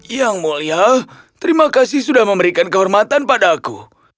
yang mulia terima kasih sudah memberikan kehormatan pada aku